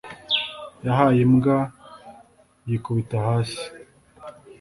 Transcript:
Yahaye imbwa yikubita hasi.